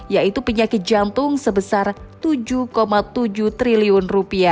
yaitu penyakit jantung sebesar rp tujuh tujuh triliun